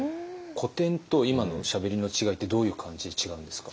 古典と今のしゃべりの違いってどういう感じで違うんですか？